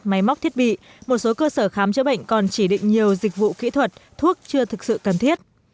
máy móc thiết bị một số cơ sở khám chữa bệnh còn chỉ định nhiều dịch vụ kỹ thuật thuốc chưa thực sự cần thiết